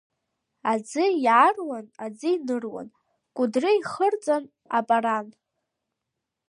Аӡы иааруан, аӡы иныруан, Кәыдры ихырҵан апаран.